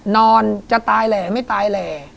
นอนจะตายแหล่ไม่ตายแหล่